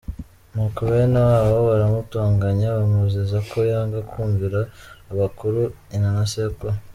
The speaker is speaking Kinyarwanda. Nuko bene wabo baramutonganya, bamuziza ko yanga kumvira abakuru: nyina na sekuru.